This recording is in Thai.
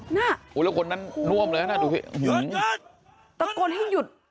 น่ะโอ้ยแล้วคนนั้นน่วมเลยนะดูพี่หยุดหยุดตะโกนให้หยุด